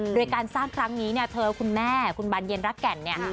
โดยการสร้างครั้งนี้เนี่ยเธอคุณแม่คุณบานเย็นรักแก่นเนี่ย